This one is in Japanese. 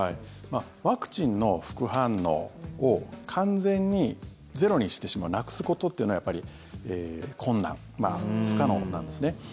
ワクチンの副反応を完全にゼロにしてしまうなくすことというのは困難不可能なんですね。